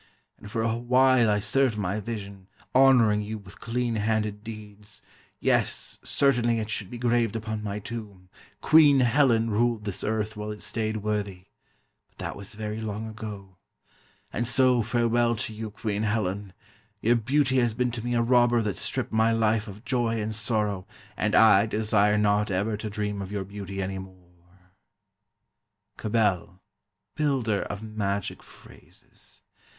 And for a while I served my vision, honoring you with clean handed deeds. Yes, certainly it should be graved upon my tomb, 'Queen Helen ruled this earth while it stayed worthy.' But that was very long ago. "And so farewell to you, Queen Helen! Your beauty has been to me a robber that stripped my life of joy and sorrow, and I desire not ever to dream of your beauty any more." Cabell, builder of magic phrases!